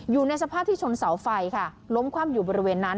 อยู่ในสภาพที่ชนเสาไฟค่ะล้มคว่ำอยู่บริเวณนั้น